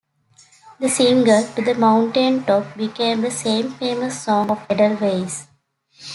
The single "To The Mountain Top" became the same famous song of Edelweiss.